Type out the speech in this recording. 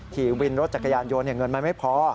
ขี่วินรถจักรยานโยนอย่างเงินมาไม่พอ